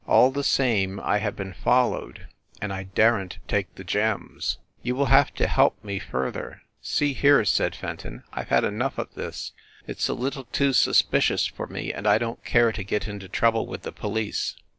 All the same I have been followed, and I daren t take the gems. You will have to help me further." "See here," said Fenton, "I ve had enough of this. It s a little too suspicious for me, and I don t care to get into trouble with the police."